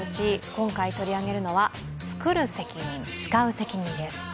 今回取り上げるのは「つくる責任つかう責任」です。